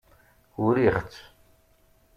Uriɣ-tt.